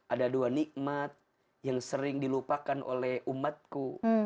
ada dua nikmat yang sering dilupakan oleh umatku